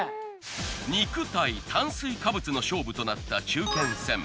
肉対炭水化物の勝負となった中堅戦。